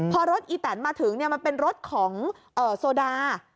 พอรถอีแตนมาถึงมันเป็นรถของโซดา